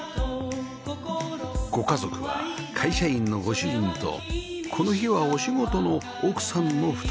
ご家族は会社員のご主人とこの日はお仕事の奥さんの２人